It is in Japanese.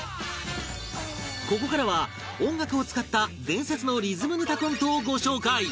ここからは音楽を使った伝説のリズムネタコントをご紹介